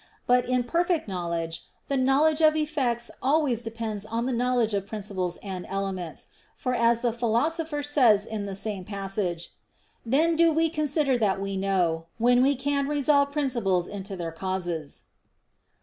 But in perfect knowledge, the knowledge of effects always depends on the knowledge of principles and elements: for as the Philosopher says in the same passage: "Then do we consider that we know, when we can resolve principles into their causes."